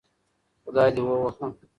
خدای دي ووهه